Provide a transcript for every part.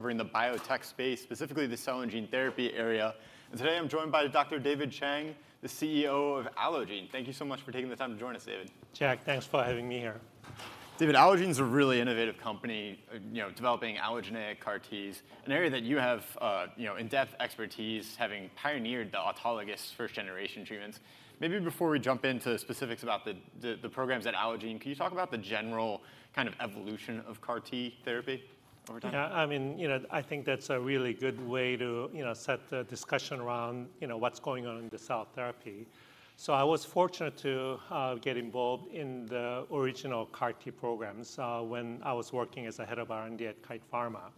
covering the biotech space, specifically the cell and gene therapy area. Today I'm joined by Dr. David Chang, the CEO of Allogene. Thank you so much for taking the time to join us, David. Jack, thanks for having me here. David, Allogene's a really innovative company, you know, developing allogeneic CAR Ts, an area that you have, you know, in-depth expertise, having pioneered the autologous first-generation treatments. Maybe before we jump into specifics about the programs at Allogene, can you talk about the general kind of evolution of CAR T therapy over time? Yeah, I mean, you know, I think that's a really good way to, you know, set the discussion around, you know, what's going on in the cell therapy. So, I was fortunate to get involved in the original CAR T programs when I was working as a head of R&D at Kite Pharma.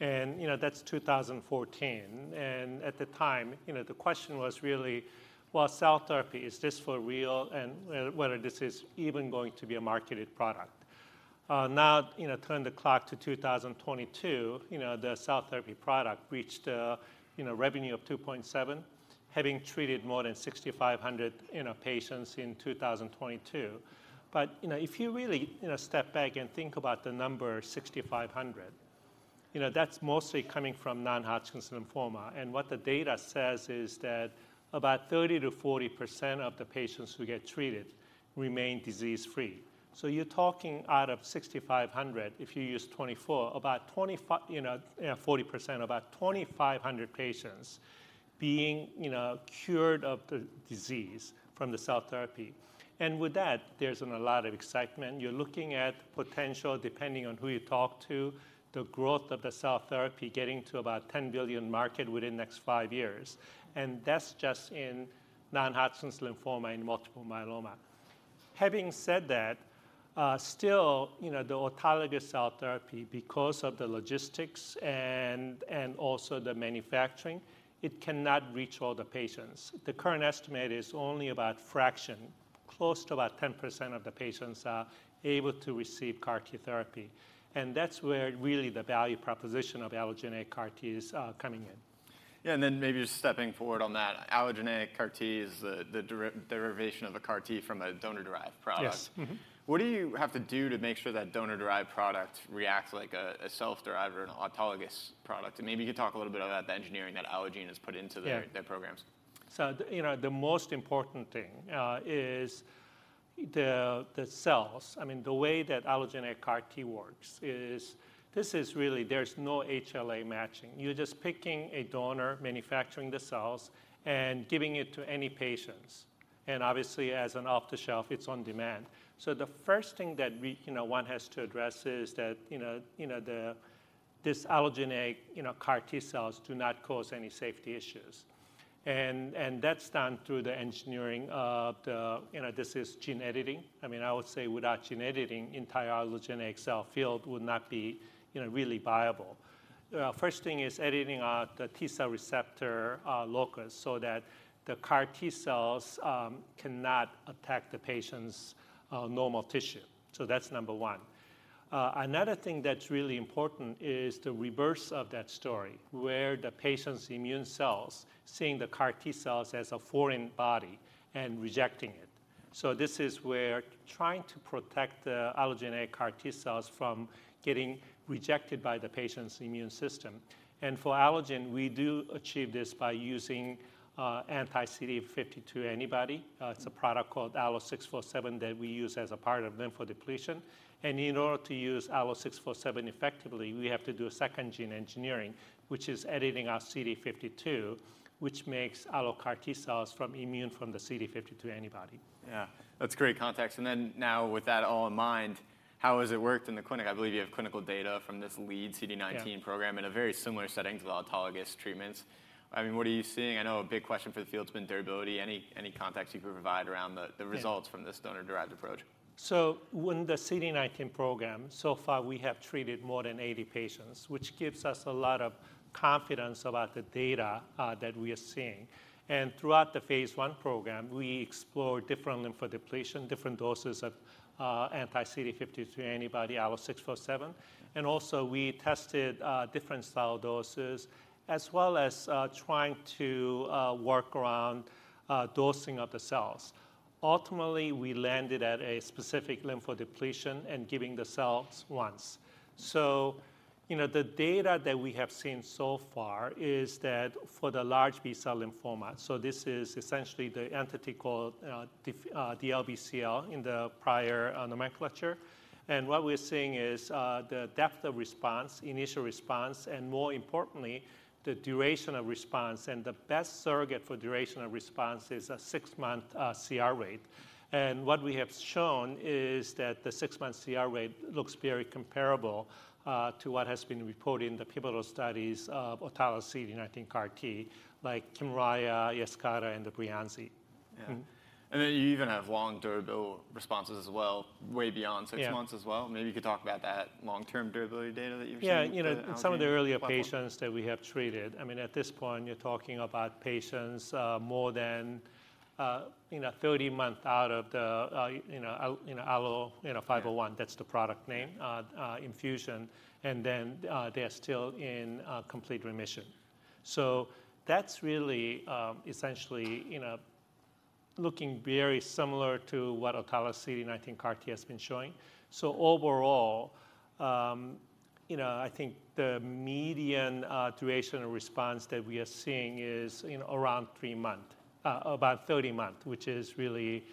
And, you know, that's 2014. And at the time, you know, the question was really: Well, cell therapy, is this for real? And whether this is even going to be a marketed product. Now, you know, turn the clock to 2022, you know, the cell therapy product reached a, you know, revenue of $2.7 billion, having treated more than 6,500, you know, patients in 2022. But, you know, if you really, you know, step back and think about the number 6,500, you know, that's mostly coming from non-Hodgkin lymphoma. And what the data says is that about 30%-40% of the patients who get treated remain disease-free. So, you're talking out of 6,500, if you use 24, about 40%, about 2,500 patients being, you know, cured of the disease from the cell therapy. And with that, there's been a lot of excitement. You're looking at potential, depending on who you talk to, the growth of the cell therapy getting to about $10 billion market within the next five years, and that's just in non-Hodgkin lymphoma and multiple myeloma. Having said that, still, you know, the autologous cell therapy, because of the logistics and also the manufacturing, it cannot reach all the patients. The current estimate is only about a fraction. Close to about 10% of the patients are able to receive CAR T therapy, and that's where really the value proposition of allogeneic CAR T is coming in. Yeah, and then maybe just stepping forward on that, allogeneic CAR T is the derivation of a CAR T from a donor-derived product. Yes. What do you have to do to make sure that donor-derived product reacts like a self-derived or an autologous product? And maybe you could talk a little bit about the engineering that Allogene has put into their- Yeah... their programs. So, you know, the most important thing is the cells. I mean, the way that allogeneic CAR T works is this is really there's no HLA matching. You're just picking a donor, manufacturing the cells, and giving it to any patients, and obviously, as an off-the-shelf, it's on demand. So, the first thing that we, you know, one has to address is that, you know, you know, this allogeneic, you know, CAR T cells do not cause any safety issues. And that's done through the engineering of the... You know, this is gene editing. I mean, I would say without gene editing, entire allogeneic cell field would not be, you know, really viable. First thing is editing out the T cell receptor locus so that the CAR T cells cannot attack the patient's normal tissue. So that's number one. Another thing that's really important is the reverse of that story, where the patient's immune cells, seeing the CAR T cells as a foreign body and rejecting it. So this is where trying to protect the allogeneic CAR T cells from getting rejected by the patient's immune system. And for Allogene, we do achieve this by using anti-CD52 antibody. It's a product called ALLO-647 that we use as a part of lymphodepletion. And in order to use ALLO-647 effectively, we have to do a second gene engineering, which is editing our CD52, which makes AlloCAR T cells from immune from the CD52 antibody. Yeah, that's great context. And then now with that all in mind, how has it worked in the clinic? I believe you have clinical data from this lead CD19- Yeah... program in a very similar setting to the autologous treatments. I mean, what are you seeing? I know a big question for the field's been durability. Any context you can provide around the results- Yeah... from this donor-derived approach? So in the CD19 program, so far we have treated more than 80 patients, which gives us a lot of confidence about the data that we are seeing. And throughout the phase one program, we explored different lymphodepletion, different doses of anti-CD52 antibody, ALLO-647, and also, we tested different cell doses, as well as trying to work around dosing of the cells. Ultimately, we landed at a specific lymphodepletion and giving the cells once. So, you know, the data that we have seen so far is that for the large B-cell lymphoma, so this is essentially the entity called DLBCL in the prior nomenclature. And what we're seeing is the depth of response, initial response, and more importantly, the duration of response, and the best surrogate for duration of response is a 6-month CR rate. What we have shown is that the six-month CR rate looks very comparable to what has been reported in the pivotal studies of autologous CD19 CAR T, like Kymriah, Yescarta, and the Breyanzi. Yeah. And then you even have long durable responses as well, way beyond six months... Yeah... as well. Maybe you could talk about that long-term durability data that you've seen? Yeah, you know- from the Allogene platform... in some of the earlier patients that we have treated, I mean, at this point, you're talking about patients, more than, you know, 30 months out of the, you know, ALLO-501, that's the product name- Yeah... infusion, and then, they are still in complete remission. So that's really, essentially, you know, looking very similar to what autologous CD19 CAR T has been showing. So overall, you know, I think the median duration of response that we are seeing is, you know, around 3 months, about 30 months, which is really,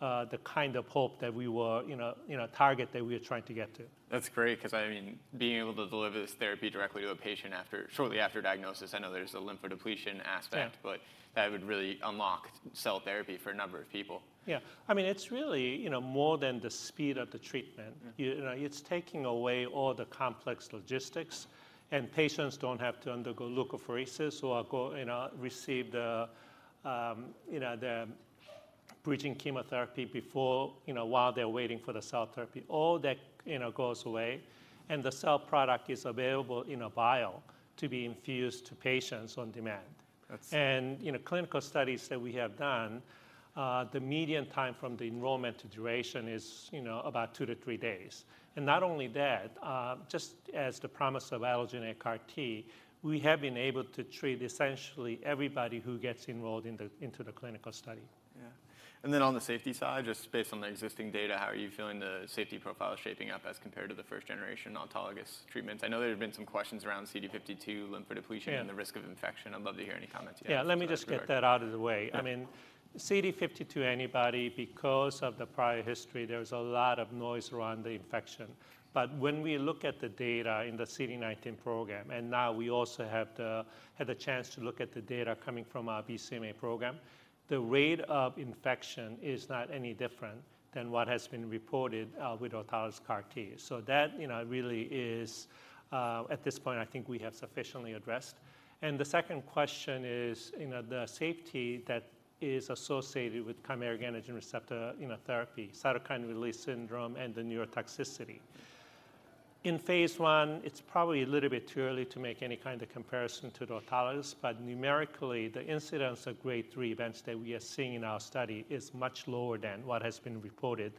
the kind of hope that we were, you know, you know, target that we are trying to get to. That's great, cause I mean, being able to deliver this therapy directly to a patient after, shortly after diagnosis, I know there's a lymphodepletion aspect- Yeah - but that would really unlock cell therapy for a number of people. Yeah. I mean, it's really, you know, more than the speed of the treatment. You know, it's taking away all the complex logistics, and patients don't have to undergo leukapheresis or go, you know, receive the, you know, the bridging chemotherapy before, you know, while they're waiting for the cell therapy. All that, you know, goes away, and the cell product is available in a vial to be infused to patients on demand. That's- You know, clinical studies that we have done, the median time from the enrollment to duration is, you know, about 2-3 days. Not only that, just as the promise of allogeneic CAR T, we have been able to treat essentially everybody who gets enrolled into the clinical study. Yeah. And then on the safety side, just based on the existing data, how are you feeling the safety profile is shaping up as compared to the first generation autologous treatments? I know there have been some questions around CD52, lymphodepletion- Yeah... and the risk of infection. I'd love to hear any comments you have. Yeah, let me just get that out of the way. Yeah. I mean, CD52 anybody, because of the prior history, there's a lot of noise around the infection. But when we look at the data in the CD19 program, and now we also have had the chance to look at the data coming from our BCMA program, the rate of infection is not any different than what has been reported with autologous CAR T. So that, you know, really is, at this point, I think we have sufficiently addressed. And the second question is, you know, the safety that is associated with chimeric antigen receptor, you know, therapy, cytokine release syndrome, and the neurotoxicity. In phase one, it's probably a little bit too early to make any kind of comparison to the autologous, but numerically, the incidence of grade three events that we are seeing in our study is much lower than what has been reported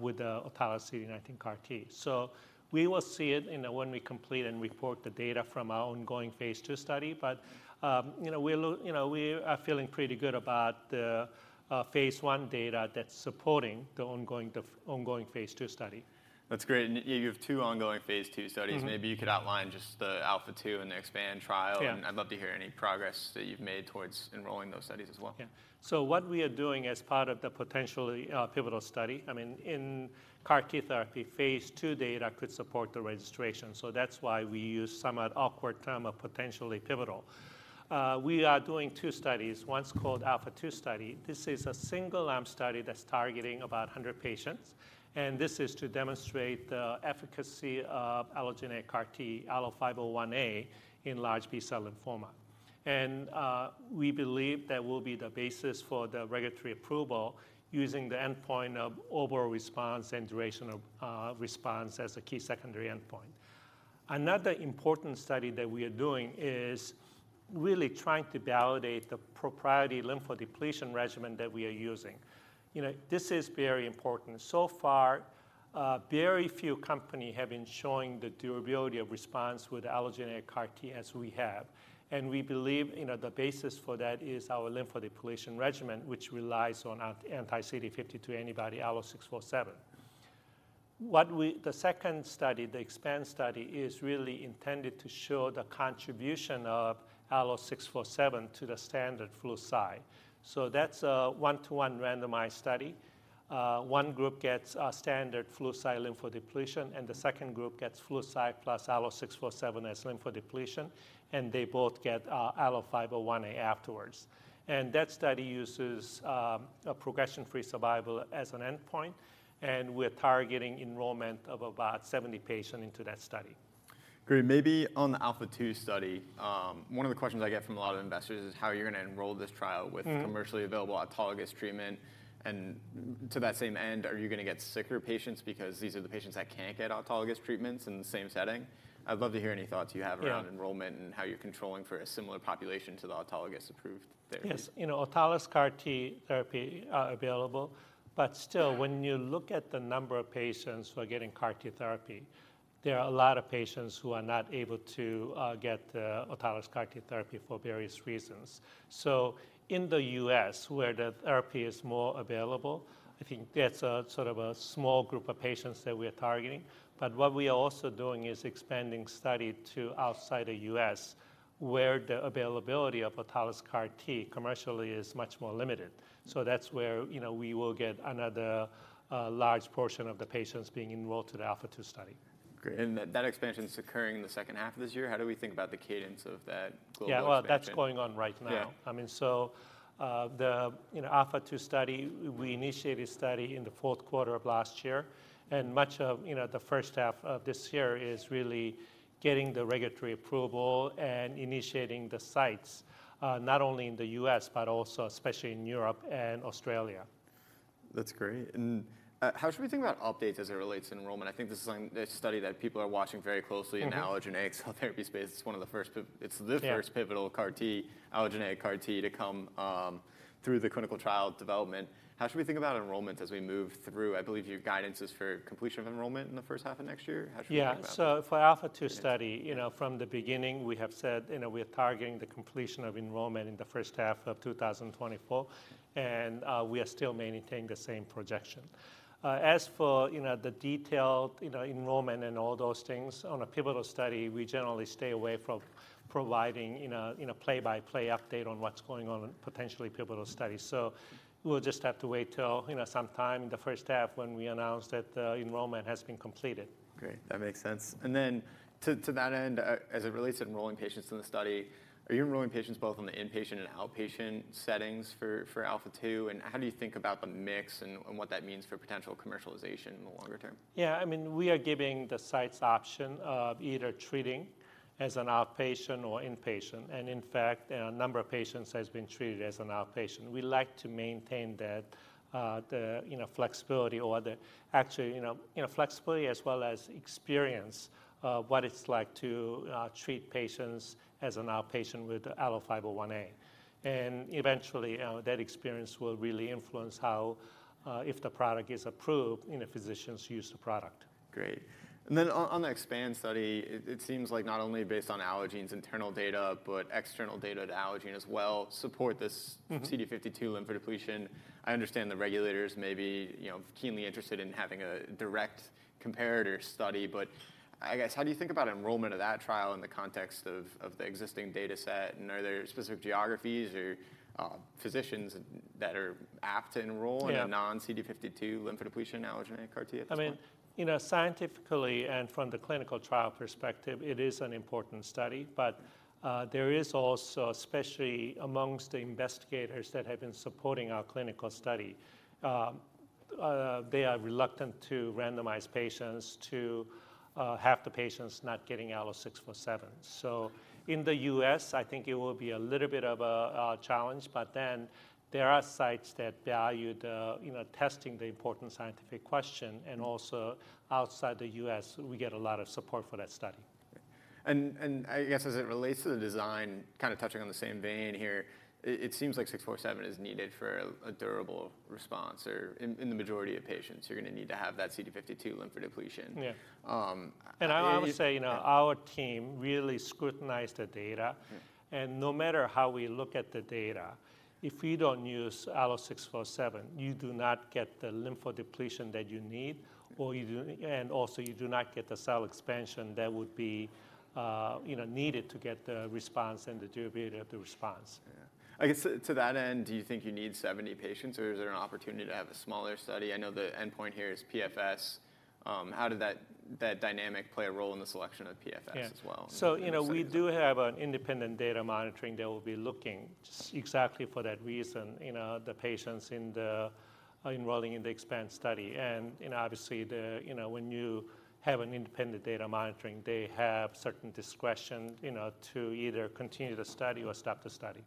with the autologous CD19 CAR T. So, we will see it, you know, when we complete and report the data from our ongoing phase two study. But, you know, we'll look... You know, we are feeling pretty good about the phase one data that's supporting the ongoing phase two study. That's great. You have two ongoing phase 2 studies. Maybe you could outline just the ALPHA2 and the Expand trial. Yeah. I'd love to hear any progress that you've made towards enrolling those studies as well. Yeah. So what we are doing as part of the potentially pivotal study, I mean, in CAR T therapy, phase 2 data could support the registration. So that's why we use somewhat awkward term of potentially pivotal. We are doing two studies, one's called ALPHA2 study. This is a single arm study that's targeting about 100 patients, and this is to demonstrate the efficacy of allogeneic CAR T, ALLO-501A, in large B-cell lymphoma. And we believe that will be the basis for the regulatory approval, using the endpoint of overall response and duration of response as a key secondary endpoint. Another important study that we are doing is really trying to validate the proprietary lymphodepletion regimen that we are using. You know, this is very important. So far, very few companies have been showing the durability of response with allogeneic CAR T as we have, and we believe, you know, the basis for that is our lymphodepletion regimen, which relies on an anti-CD52 antibody, ALLO-647. The second study, the Expand Study, is really intended to show the contribution of ALLO-647 to the standard fluci. So that's a 1:1 randomized study. One group gets a standard fluci lymphodepletion, and the second group gets fluci plus ALLO-647 as lymphodepletion, and they both get ALLO-501A afterwards. And that study uses a progression-free survival as an endpoint, and we're targeting enrollment of about 70 patients into that study. Great. Maybe on the ALPHA2 Study, one of the questions I get from a lot of investors is how you're going to enroll this trial-... with commercially available autologous treatment. To that same end, are you going to get sicker patients because these are the patients that can't get autologous treatments in the same setting? I'd love to hear any thoughts you have around- Yeah... enrollment and how you're controlling for a similar population to the autologous approved therapy. Yes, you know, autologous CAR T therapy are available, but still, when you look at the number of patients who are getting CAR T therapy, there are a lot of patients who are not able to get the autologous CAR-T therapy for various reasons. So in the U.S., where the therapy is more available, I think that's a sort of a small group of patients that we are targeting. But what we are also doing is expanding study to outside the U.S., where the availability of autologous CAR T commercially is much more limited. So that's where, you know, we will get another large portion of the patients being enrolled to the ALPHA2 study. Great. And that expansion is occurring in the H2 of this year. How do we think about the cadence of that global expansion? Yeah. Well, that's going on right now. Yeah. I mean, so, you know, ALPHA2 study, we initiated study in the Q4 of last year, and much of, you know, the H1 of this year is really getting the regulatory approval and initiating the sites, not only in the U.S., but also especially in Europe and Australia.... That's great. And how should we think about updates as it relates to enrollment? I think this is like a study that people are watching very closely. in the allogeneic cell therapy space. It's one of the first pi-- Yeah. It's the first pivotal CAR T, allogeneic CAR T, to come through the clinical trial development. How should we think about enrollment as we move through? I believe your guidance is for completion of enrollment in the H1 of next year. How should we think about it? Yeah, so for ALPHA2 study, you know, from the beginning, we have said, you know, we are targeting the completion of enrollment in the H1 of 2024, and we are still maintaining the same projection. As for, you know, the detailed, you know, enrollment and all those things, on a pivotal study, we generally stay away from providing, you know, a play-by-play update on what's going on in potentially pivotal studies. So we'll just have to wait till, you know, sometime in the H1 when we announce that enrollment has been completed. Great, that makes sense. And then to that end, as it relates to enrolling patients in the study, are you enrolling patients both on the inpatient and outpatient settings for ALPHA2? And how do you think about the mix and what that means for potential commercialization in the longer term? Yeah, I mean, we are giving the sites option of either treating as an outpatient or inpatient, and in fact, a number of patients has been treated as an outpatient. We like to maintain that, you know, flexibility or actually, you know, flexibility as well as experience of what it's like to treat patients as an outpatient with ALLO-501A. Eventually, that experience will really influence how, if the product is approved, you know, physicians use the product. Great. Then on the Expand Study, it seems like not only based on Allogene's internal data, but external data to Allogene as well, support this-... CD52 lymph depletion. I understand the regulators may be, you know, keenly interested in having a direct comparator study, but I guess, how do you think about enrollment of that trial in the context of, of the existing data set? And are there specific geographies or, physicians that are apt to enroll- Yeah... in a non-CD52 lymph depletion, allogeneic CAR T at this point? I mean, you know, scientifically and from the clinical trial perspective, it is an important study, but there is also, especially among the investigators that have been supporting our clinical study, they are reluctant to randomize patients to half the patients not getting ALLO-647. So in the U.S., I think it will be a little bit of a challenge, but then there are sites that value the, you know, testing the important scientific question, and also outside the U.S., we get a lot of support for that study. I guess as it relates to the design, kind of touching on the same vein here, it seems like 647 is needed for a durable response or in the majority of patients, you're going to need to have that CD52 lymph depletion. Yeah. Um, and- I would say, you know, our team really scrutinize the data. Yeah. No matter how we look at the data, if we don't use ALLO-647, you do not get the lymph depletion that you need, or you do, and also you do not get the cell expansion that would be, you know, needed to get the response and the durability of the response. Yeah. I guess to that end, do you think you need 70 patients, or is there an opportunity to have a smaller study? I know the endpoint here is PFS. How did that dynamic play a role in the selection of PFS as well? Yeah. As well. So, you know, we do have an independent data monitoring. They will be looking exactly for that reason, you know, the patients in the enrolling in the Expand Study. And obviously, you know, when you have an independent data monitoring, they have certain discretion, you know, to either continue the study or stop the study.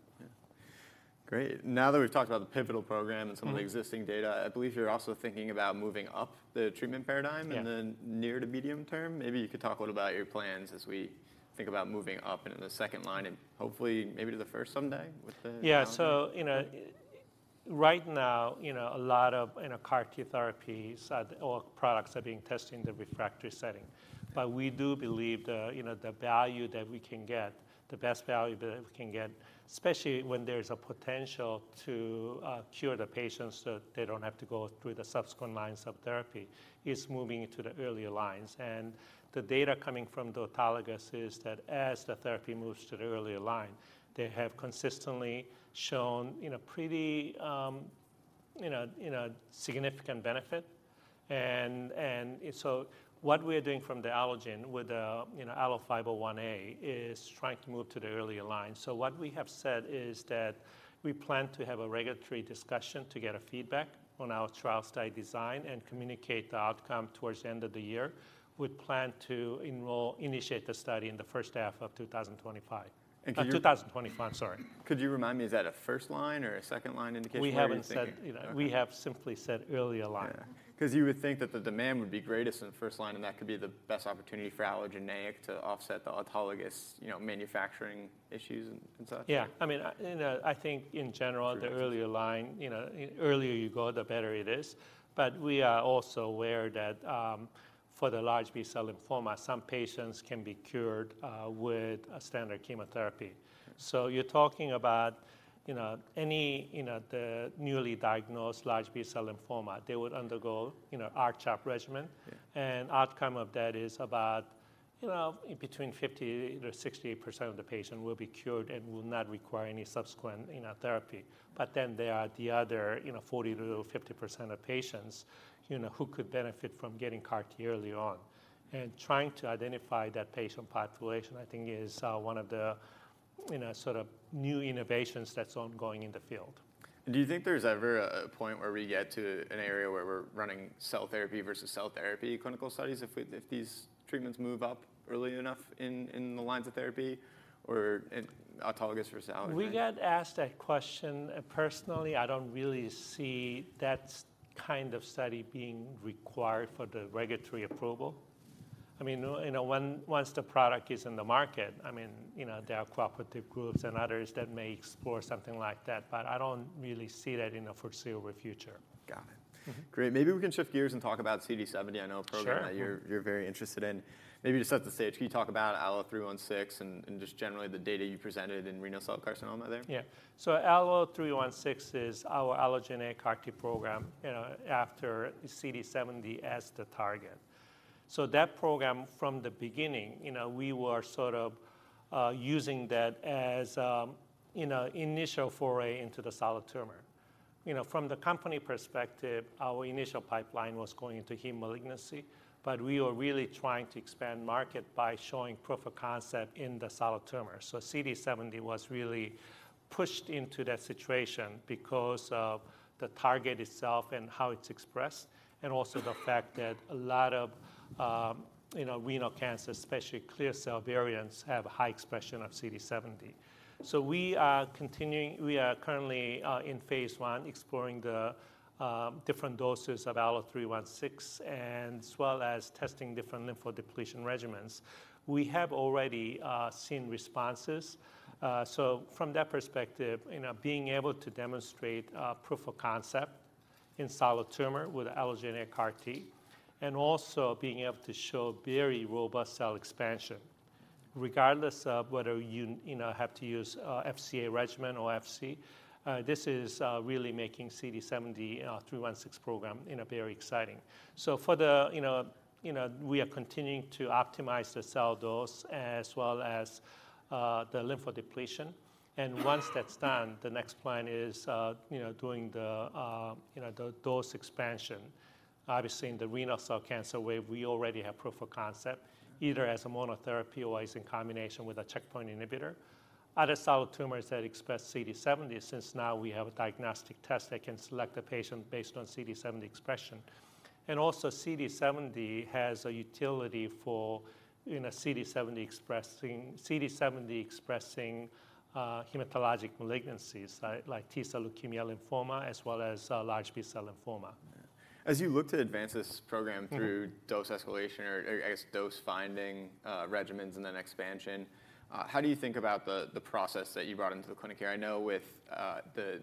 Yeah. Great. Now that we've talked about the pivotal program-... and some of the existing data, I believe you're also thinking about moving up the treatment paradigm- Yeah... in the near to medium term. Maybe you could talk a little about your plans as we think about moving up into the second line and hopefully maybe to the first someday with the- Yeah. So, you know, right now, you know, a lot of, you know, CAR T therapies or products are being tested in the refractory setting. But we do believe the, you know, the value that we can get, the best value that we can get, especially when there is a potential to, cure the patients, so they don't have to go through the subsequent lines of therapy, is moving into the earlier lines. And the data coming from the autologous is that as the therapy moves to the earlier line, they have consistently shown, you know, pretty, you know, you know, significant benefit. And, and so what we are doing from the Allogene with the, you know, ALLO-501A, is trying to move to the earlier line. So what we have said is that we plan to have a regulatory discussion to get a feedback on our trial study design and communicate the outcome towards the end of the year. We plan to enroll, initiate the study in the H1 of 2025. Could you- 2025, sorry. Could you remind me, is that a first line or a second line indication? What are you thinking- We haven't said, you know- Okay. We have simply said earlier line. Yeah, cause you would think that the demand would be greatest in the first line, and that could be the best opportunity for allogeneic to offset the autologous, you know, manufacturing issues and such. Yeah. I mean, you know, I think in general- Sure... the earlier line, you know, the earlier you go, the better it is. But we are also aware that, for the large B-cell lymphoma, some patients can be cured with a standard chemotherapy. So you're talking about, you know, any, you know, the newly diagnosed large B-cell lymphoma, they would undergo, you know, R-CHOP regimen. Yeah. Outcome of that is about, you know, between 50%-68% of the patient will be cured and will not require any subsequent, you know, therapy. But then there are the other, you know, 40%-50% of patients, you know, who could benefit from getting CAR T early on. Trying to identify that patient population, I think, is one of the, you know, sort of new innovations that's ongoing in the field. Do you think there's ever a point where we get to an era running cell therapy versus cell therapy clinical studies, if we, if these treatments move up early enough in, in the lines of therapy or in autologous versus allogeneic? We get asked that question, and personally, I don't really see that kind of study being required for the regulatory approval. I mean, you know, once the product is in the market, I mean, you know, there are cooperative groups and others that may explore something like that, but I don't really see that in the foreseeable future. Got it. Great. Maybe we can shift gears and talk about CD70, I know- Sure... a program that you're very interested in. Maybe just set the stage. Can you talk about ALLO-316 and just generally the data you presented in renal cell carcinoma there? Yeah. So ALLO-316 is our allogeneic CAR T program, you know, after CD70 as the target. So that program from the beginning, you know, we were sort of using that as, you know, initial foray into the solid tumor. You know, from the company perspective, our initial pipeline was going into heme malignancy, but we were really trying to expand market by showing proof of concept in the solid tumor. So CD70 was really pushed into that situation because of the target itself and how it's expressed, and also the fact that a lot of, you know, renal cancer, especially clear cell variants, have a high expression of CD70. So we are currently in phase 1, exploring the different doses of ALLO-316, and as well as testing different lymphodepletion regimens. We have already seen responses. So from that perspective, you know, being able to demonstrate a proof of concept in solid tumor with allogeneic CAR T, and also being able to show very robust cell expansion, regardless of whether you, you know, have to use FCA regimen or FC. This is really making CD70 316 program, you know, very exciting. So, you know, you know, we are continuing to optimize the cell dose as well as the lymphodepletion. And once that's done, the next plan is, you know, doing the dose expansion. Obviously, in the renal cell cancer, where we already have proof of concept, either as a monotherapy or as in combination with a checkpoint inhibitor. Other solid tumors that express CD70, since now we have a diagnostic test that can select a patient based on CD70 expression. Also, CD70 has a utility for, you know, CD70 expressing, CD70 expressing hematologic malignancies, like T-cell leukemia lymphoma, as well as large B-cell lymphoma. As you look to advance this program-... through dose escalation or, I guess, dose finding regimens, and then expansion, how do you think about the process that you brought into the clinic here? I know with the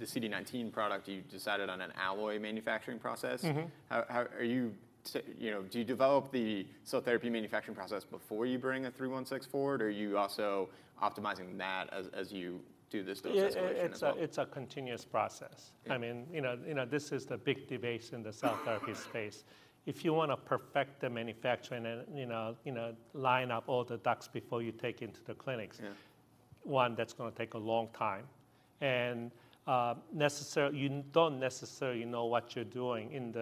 CD19 product, you decided on an Alloy manufacturing process. How... Are you, you know, do you develop the cell therapy manufacturing process before you bring a 316 forward, or are you also optimizing that as you do this dose escalation as well? Yeah, it's a, it's a continuous process. Yeah. I mean, you know, you know, this is the big debate in the cell therapy space. If you want to perfect the manufacturing and, you know, you know, line up all the ducks before you take into the clinics- Yeah... one, that's going to take a long time. And you don't necessarily know what you're doing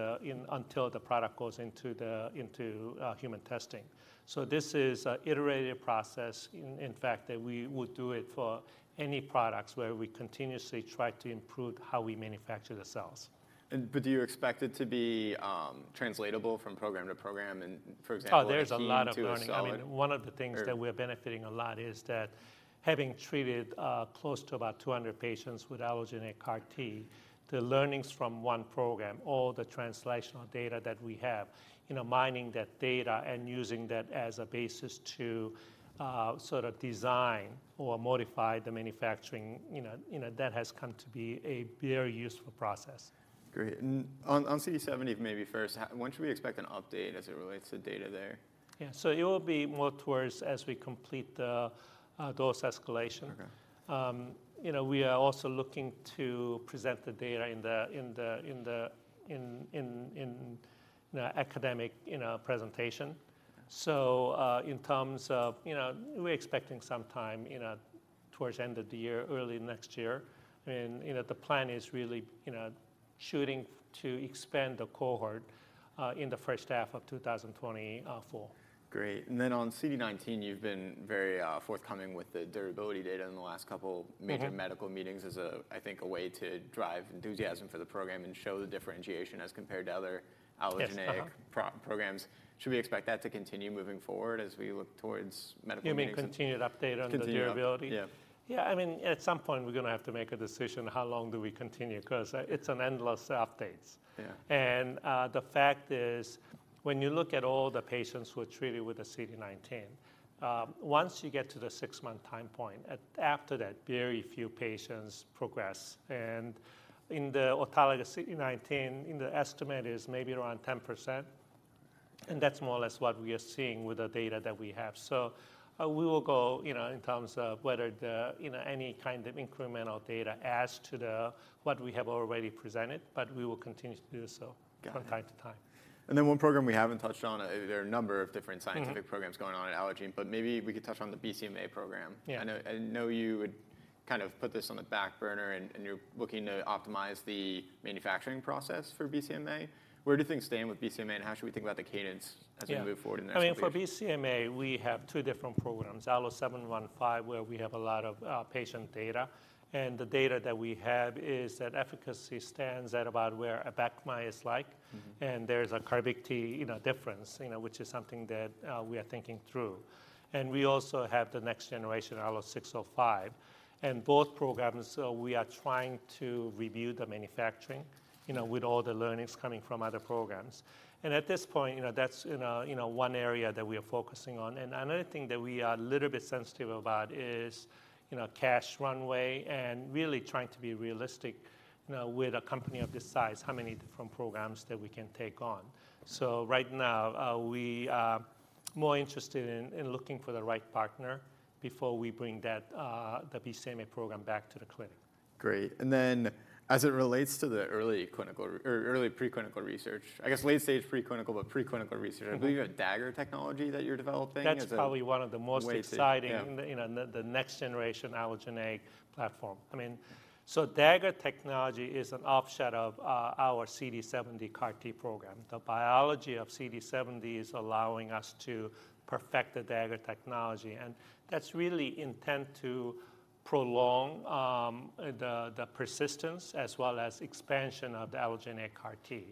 until the product goes into human testing. So this is an iterative process. In fact, that we would do it for any products where we continuously try to improve how we manufacture the cells. But do you expect it to be translatable from program to program? And for example, a heme- Oh, there's a lot of learning.... to a solid? I mean, one of the things- Or-... that we're benefiting a lot is that having treated, close to about 200 patients with allogeneic CAR T, the learnings from one program, all the translational data that we have, you know, mining that data and using that as a basis to, sort of design or modify the manufacturing, you know, you know, that has come to be a very useful process. Great. And on CD70, maybe first, when should we expect an update as it relates to data there? Yeah. So it will be more towards as we complete the dose escalation. Okay. You know, we are also looking to present the data in the academic, you know, presentation. So, in terms of... You know, we're expecting some time, you know, towards end of the year, early next year. And, you know, the plan is really, you know, shooting to expand the cohort in the H1 of 2024. Great. And then on CD19, you've been very, forthcoming with the durability data in the last couple-... major medical meetings as, I think, a way to drive enthusiasm for the program and show the differentiation as compared to other allogeneic- Yes. Uh-huh... programs. Should we expect that to continue moving forward as we look towards medical meetings- You mean continued update on the durability? Continued update. Yeah. Yeah, I mean, at some point, we're going to have to make a decision, how long do we continue? Because, it's an endless updates. Yeah. The fact is, when you look at all the patients who are treated with the CD19, once you get to the six-month time point, at after that, very few patients progress. In the autologous CD19, the estimate is maybe around 10%, and that's more or less what we are seeing with the data that we have. We will go, you know, in terms of whether the, you know, any kind of incremental data adds to the, what we have already presented, but we will continue to do so- Got it... from time to time. And then one program we haven't touched on, there are a number of different scientific-... programs going on at Allogene, but maybe we could touch on the BCMA program. Yeah. I know you would kind of put this on the back burner, and you're looking to optimize the manufacturing process for BCMA? Where do things stand with BCMA, and how should we think about the cadence as- Yeah We move forward in the next few years? I mean, for BCMA, we have two different programs, ALLO-715, where we have a lot of patient data, and the data that we have is that efficacy stands at about where Abecma is like. There's a CAR T, you know, difference, you know, which is something that we are thinking through. We also have the next generation, ALLO-605, and both programs, we are trying to review the manufacturing, you know, with all the learnings coming from other programs. And at this point, you know, that's, you know, one area that we are focusing on. And another thing that we are a little bit sensitive about is, you know, cash runway and really trying to be realistic, you know, with a company of this size, how many different programs that we can take on. So right now, we are more interested in looking for the right partner before we bring that, the BCMA program back to the clinic. Great. And then as it relates to the early clinical or early preclinical research, I guess, late-stage preclinical, but preclinical research, I believe you have Dagger technology that you're developing as a- That's probably one of the most- Way to, yeah.... exciting, you know, the next-generation allogeneic platform. I mean, so Dagger technology is an offshoot of our CD70 CAR T program. The biology of CD70 is allowing us to perfect the Dagger technology, and that's really intent to prolong the persistence as well as expansion of the allogeneic CAR T.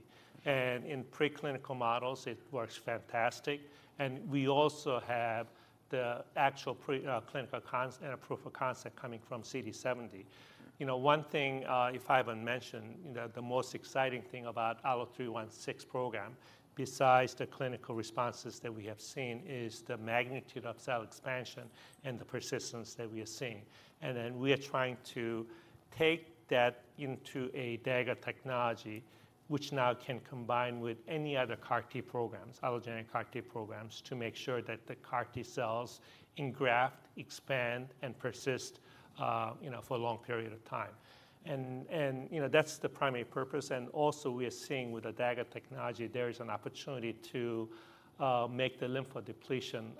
And in preclinical models, it works fantastic, and we also have the actual preclinical concept and a proof of concept coming from CD70. You know, one thing, if I even mentioned, you know, the most exciting thing about our 316 program, besides the clinical responses that we have seen, is the magnitude of cell expansion and the persistence that we are seeing. And then we are trying to take that into a Dagger technology, which now can combine with any other CAR T programs, allogeneic CAR T programs, to make sure that the CAR T cells engraft, expand, and persist, you know, for a long period of time. And you know, that's the primary purpose, and also we are seeing with the Dagger technology, there is an opportunity to make the lymphodepletion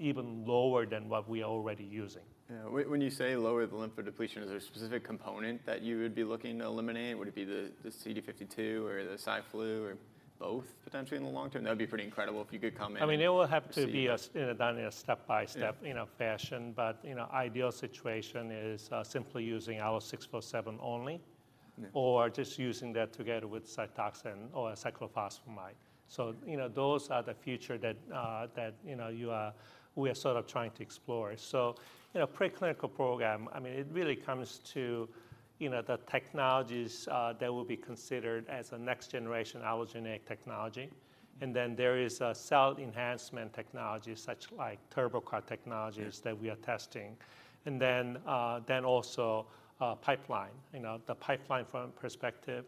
even lower than what we are already using. Yeah. When, when you say lower the lymphodepletion, is there a specific component that you would be looking to eliminate? Would it be the, the CD52 or the Cy/Flu or both, potentially in the long term? That'd be pretty incredible if you could combine and- I mean, it will have to be a, you know, done in a step-by-step- Yeah... you know, fashion, but, you know, ideal situation is simply using ALLO-647 only. Yeah. Or just using that together with Cytoxan or cyclophosphamide. So, you know, those are the future that that, you know, we are sort of trying to explore. So, you know, preclinical program, I mean, it really comes to, you know, the technologies that will be considered as a next-generation allogeneic technology. And then there is a cell enhancement technology, such like Turbo CAR technologies- Yeah... that we are testing. And then, then also, pipeline, you know, the pipeline from perspective,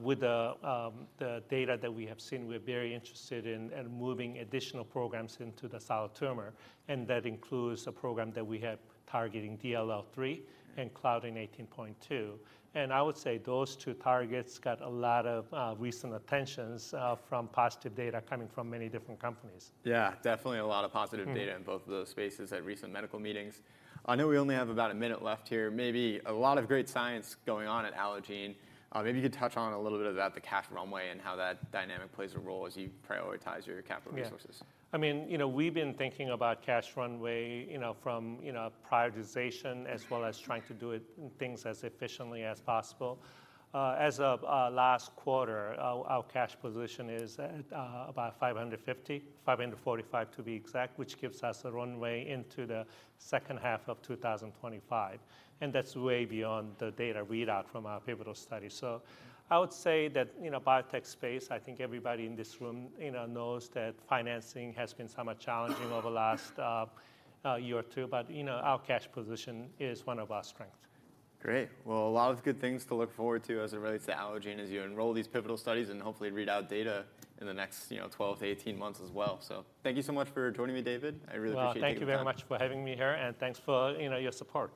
with the, the data that we have seen, we're very interested in in moving additional programs into the solid tumor, and that includes a program that we have targeting DLL3 and Claudin 18.2. And I would say those two targets got a lot of, recent attentions, from positive data coming from many different companies. Yeah, definitely a lot of positive data-... in both of those spaces at recent medical meetings. I know we only have about a minute left here. Maybe a lot of great science going on at Allogene. Maybe you could touch on a little bit about the cash runway and how that dynamic plays a role as you prioritize your capital resources. Yeah. I mean, you know, we've been thinking about cash runway, you know, from, you know, prioritization as well as trying to do it, things as efficiently as possible. As of last quarter, our cash position is at about $550 million, $545 million to be exact, which gives us a runway into the H2 of 2025, and that's way beyond the data readout from our pivotal study. So I would say that, you know, biotech space, I think everybody in this room, you know, knows that financing has been somewhat challenging over the last year or two, but, you know, our cash position is one of our strengths. Great. Well, a lot of good things to look forward to as it relates to Allogene, as you enroll these pivotal studies and hopefully read out data in the next, you know, 12-18 months as well. So thank you so much for joining me, David. I really appreciate it. Well, thank you very much for having me here, and thanks for, you know, your support.